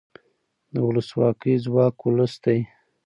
د ولسواکۍ ځواک ولس دی